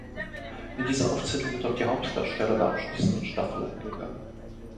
In dieser Aufzählung wird auf die Hauptdarsteller der abschließenden Staffel eingegangen.